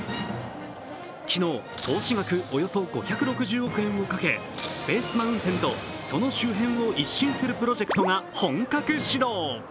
昨日、投資額およそ５６０億円をかけスペースマウンテンとその周辺を一新するプロジェクトが本格始動。